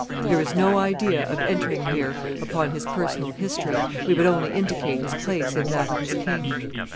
There is no idea of entering here upon his personal history; we would only indicate his place in that of his king.